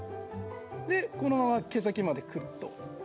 でこのまま毛先までくっと。